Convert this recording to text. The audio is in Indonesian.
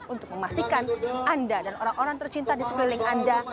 untuk memastikan anda dan orang orang tercinta di sekeliling anda